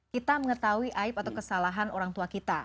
kita mengetahui aib atau kesalahan orang tua kita